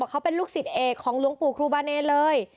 เขาเป็นลูกศิษย์เอกของหลวงปู่ครูบาเนรเลย